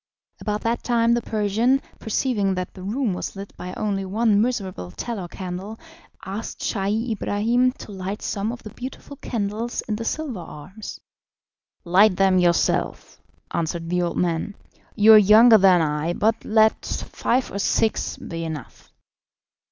About that time the Persian, perceiving that the room was lit by only one miserable tallow candle, asked Scheih Ibrahim to light some of the beautiful candles in the silver arms. "Light them yourself," answered the old man; "you are younger than I, but let five or six be enough."